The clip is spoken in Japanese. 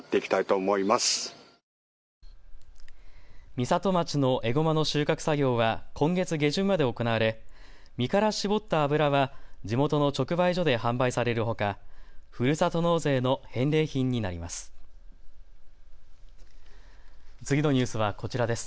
美里町のエゴマの収穫作業は今月下旬まで行われ実から搾った油は地元の直売所で販売されるほかふるさと納税の返礼品になります。